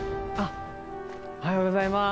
おはようございます。